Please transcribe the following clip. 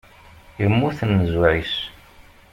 Immut nnzuɛ-is.